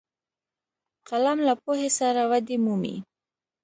قلم له پوهې سره ودې مومي